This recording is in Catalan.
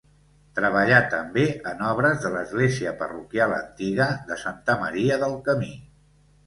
Treballà també en obres de l'església parroquial antiga de Santa Maria del Camí.